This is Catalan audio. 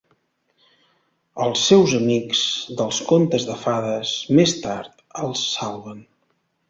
Els seus amics dels contes de fades, més tard, els salven.